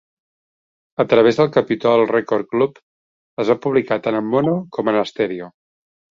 A través del Capitol Record Club es va publicar tant en mono com en estèreo.